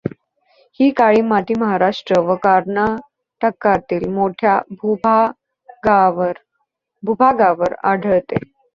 ही काळी माती महाराष्ट्र व कर्नाटकातील मोठ्या भूभागावर आढळते.